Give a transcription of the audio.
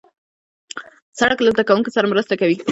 سړک له زدهکوونکو سره مرسته کوي.